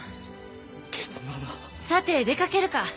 さて出掛けるか。